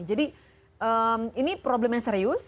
ini adalah masalah yang serius